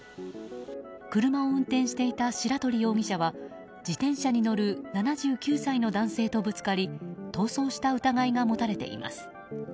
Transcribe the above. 車を運転していた白鳥容疑者は自転車に乗る７９歳の男性とぶつかり逃走した疑いが持たれています。